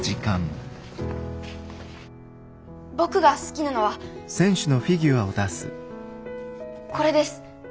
僕が好きなのはこれです。